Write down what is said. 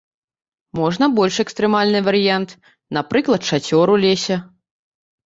Можна больш экстрэмальны варыянт, напрыклад, шацёр у лесе.